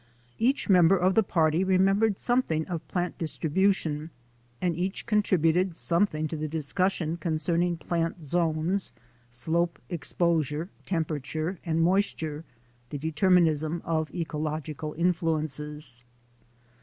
Each member of the party remembered some thing of plant distribution and each contributed something to the discussion concerning plant zones, slope exposures, temperature, and moisture — the determinism of ecological influences.